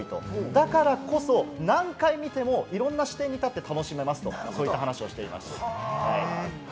だからこそ、何回見てもいろんな視点に立って楽しめますと、そういった話をしていましたね。